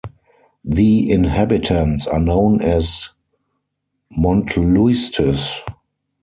The inhabitants are known as "Montluistes".